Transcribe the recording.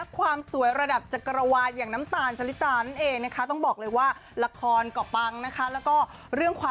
ความสวยระดับจักรวาตอย่างน้ำตาลฉลิตาต้องบอกเลยว่า